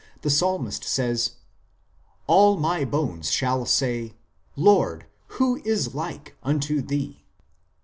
the psalmist says :" All my bones shall say, Lord, who is like unto Thee